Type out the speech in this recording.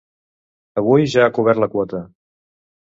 Avui ja ha cobert la quota.